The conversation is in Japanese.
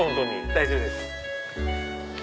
大丈夫です。